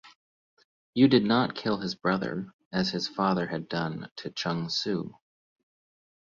U did not kill his brother as his father had done to Chung-Su.